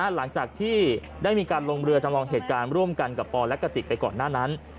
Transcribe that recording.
หลังจากที่ได้มีการลงเรือจำลองเหตุการณ์ร่วมกันกับปอและกระติกไปก่อนหน้านั้น